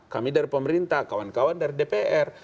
kami dari pemerintah kawan kawan dari dpr